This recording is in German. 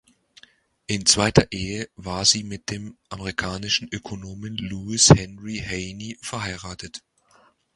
In zweiter Ehe war sie mit dem amerikanischen Ökonomen Lewis Henry Haney verheiratet.